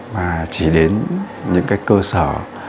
và chỉ đến những cái cơ sở